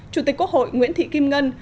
chủ tịch quốc hội nguyễn thị kim ngân